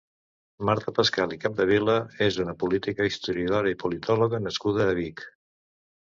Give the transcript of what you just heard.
Marta Pascal i Capdevila és una política, historiadora i politòloga nascuda a Vic.